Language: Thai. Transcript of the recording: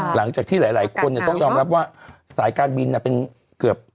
หลังจากที่หลายคนต้องยอมรับว่าสายการบินเป็นเกือบ